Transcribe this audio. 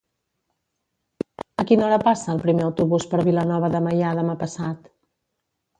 A quina hora passa el primer autobús per Vilanova de Meià demà passat?